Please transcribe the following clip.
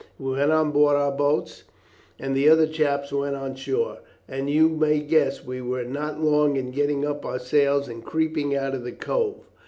We went on board our boats and the other chaps went on shore, and you may guess we were not long in getting up our sails and creeping out of the cove.